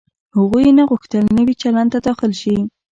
هغوی نه غوښتل نوي چلند ته داخل شي.